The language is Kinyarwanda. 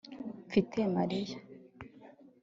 Mfite Mariya